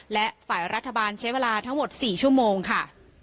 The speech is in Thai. และฝ่ายรัฐบาลใช้เวลาทั้งหมด๔ชั่วโมงค่ะ